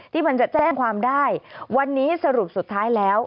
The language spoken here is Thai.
ที่มันจะแจ้งความได้วันนี้สรุปสุดท้ายแล้ว